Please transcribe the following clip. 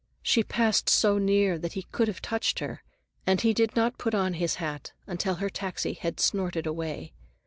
She passed so near that he could have touched her, and he did not put on his hat until her taxi had snorted away.